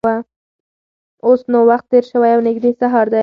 اوس نو وخت تېر شوی او نږدې سهار دی.